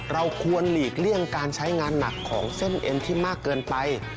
เราควรหลีกเลี่ยงการใช้งานหนักของเส้นเอ็นที่มากเกินไป